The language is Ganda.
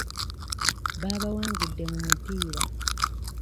Baabawangudde mu mupiira.